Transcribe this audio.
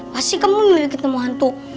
pasti kamu nggak ketemu hantu